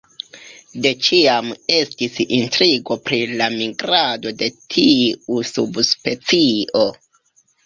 De ĉiam estis intrigo pri la migrado de tiu subspecio.